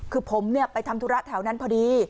คือผมไปทำธุระแถวนั้นพอดี